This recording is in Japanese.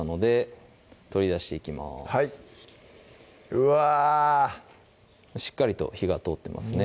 うわぁしっかりと火が通ってますね